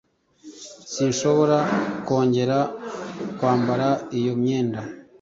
Sinshobora kongera kwambara iyo myenda